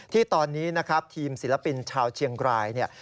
ที่ตอนนี้นะครับทีมศิลปินชาวเชียงรายเนี่ย